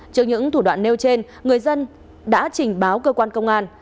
trước những thủ đoạn nêu trên người dân đã trình báo cơ quan công an